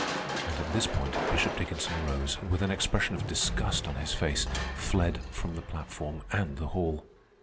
And at this point Bishop Dickinson arose, and with an expression of disgust on his face, fled from the platform and the hall.